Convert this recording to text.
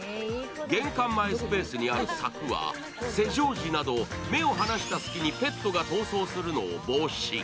玄関前スペースにある柵は施錠時など目を離した隙にペットが逃走するのを防止。